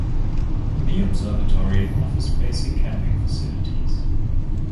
The observatory offers basic camping facilities.